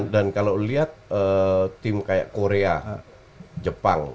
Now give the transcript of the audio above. dan kalau lo lihat tim kayak korea jepang